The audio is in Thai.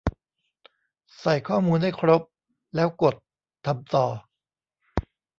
ใส่ข้อมูลให้ครบ แล้วกด ทำต่อ